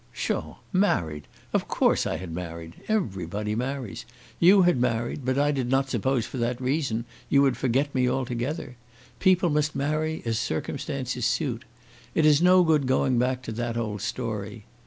"Psha! Married! Of course I had married. Everybody marries. You had married; but I did not suppose that for that reason you would forget me altogether. People must marry as circumstances suit. It is no good going back to that old story.